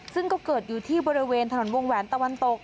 ซึ่งก็เกิดอยู่ที่บริเวณถนนวงแหวนตะวันตก